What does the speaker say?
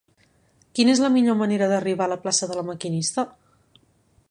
Quina és la millor manera d'arribar a la plaça de La Maquinista?